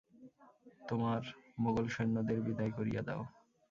তোমার মোগলেৈসন্যদের বিদায় করিয়া দাও।